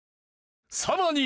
さらに。